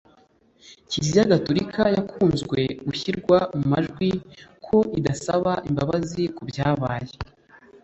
Kiliziya gatorika yakunzwe gushyirwa mu majwi ko idasaba imbabazi ku byabaye